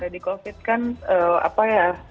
di covid kan apa ya